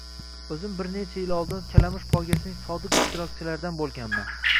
O’zim bir necha yil oldin kalamush poygasining sodiq ishtirokchilaridan bo’lganman